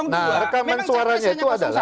nah rekaman suaranya itu adalah